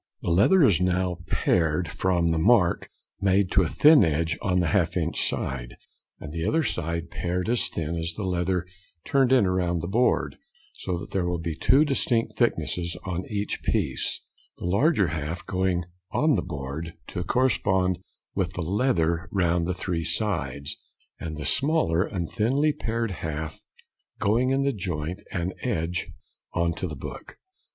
The leather is now to be pared from the mark made to a thin edge on the half inch side, and the other side pared as thin as the leather turned in round the board, so that there will be two distinct thicknesses on each piece, the larger half going on the board to correspond with the leather round the three sides, and the smaller and thinly pared half going in the joint and edge on to the book.